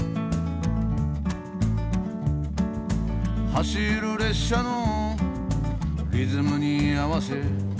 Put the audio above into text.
「走る列車のリズムにあわせ」